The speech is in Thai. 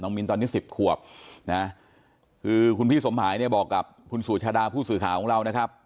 มิ้นตอนนี้๑๐ขวบนะคือคุณพี่สมหายเนี่ยบอกกับคุณสุชาดาผู้สื่อข่าวของเรานะครับ